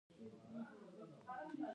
د واورې ښویدنه په بدخشان کې کیږي